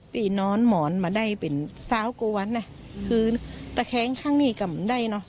ปี่นอนหมอนมาได้เป็นซ้าวกวนนะคือถ้าแข้งข้างนี่ก็ไม่ได้นะ